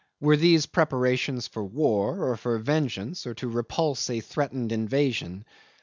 Were these preparations for war, or for vengeance, or to repulse a threatened invasion?